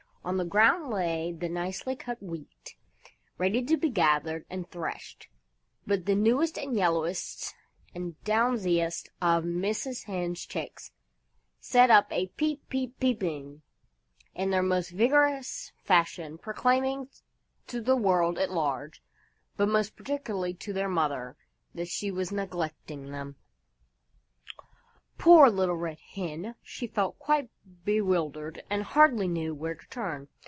On the ground lay the nicely cut Wheat, ready to be gathered and threshed, but the newest and yellowest and downiest of Mrs. Hen's chicks set up a "peep peep peeping" in their most vigorous fashion, proclaiming to the world at large, but most particularly to their mother, that she was neglecting them. Poor Little Red Hen! She felt quite bewildered and hardly knew where to turn.